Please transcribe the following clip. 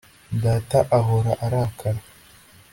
data ahora arakara